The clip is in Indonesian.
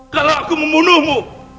kalau aku membunuhmu